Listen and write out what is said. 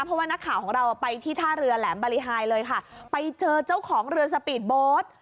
เพราะว่านักข่าวของเราไปที่ท่าเรือแหลมบริหายเลยค่ะไปเจอเจ้าของเรือสปีดโบสต์